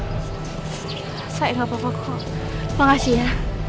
tapi udah gak apa apa